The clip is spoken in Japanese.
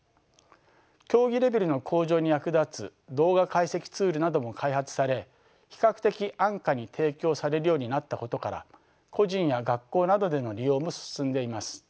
競技レベルの向上に役立つ動画解析ツールなども開発され比較的安価に提供されるようになったことから個人や学校などでの利用も進んでいます。